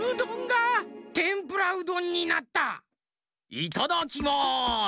いただきます！